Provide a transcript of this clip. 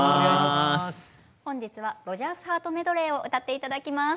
本日は「ロジャース／ハートメドレー」を歌って頂きます。